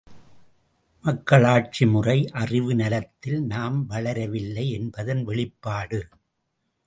மக்களாட்சிமுறை அறிவு நலத்தில் நாம் வளரவில்லை என்பதன் வெளிப்பாடு!